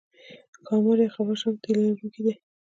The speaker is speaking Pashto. ښامار یا خفاش هم تی لرونکی دی